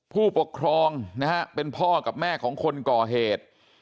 ผู้ปกครองนะฮะเป็นพ่อกับแม่ของคนก่อเหตุ